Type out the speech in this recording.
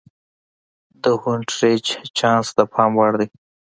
د هونټریج چانس د پام وړ دی.